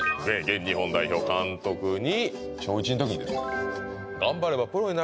日本代表監督に小１ん時にですね